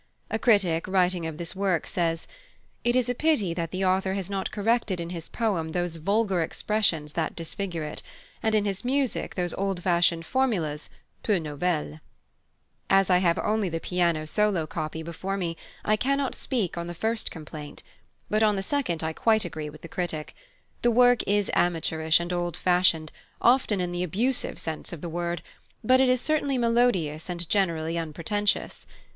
A critic, writing of this work, says: "It is a pity that the author has not corrected in his poem those vulgar expressions that disfigure it, and in his music those old fashioned formulas (peu nouvelles)." As I have only the piano solo copy before me, I cannot speak on the first complaint; but on the second I agree with the critic. The work is amateurish and old fashioned, often in the abusive sense of the word, but it is certainly melodious and generally unpretentious.